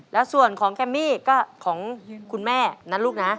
แล้วส่วนของแคมมี่ก็ของคุณแม่นะลูกนะ